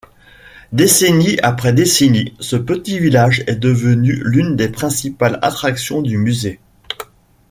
Décennie après décennie, ce petit village est devenu l’une des principales attractions du musée.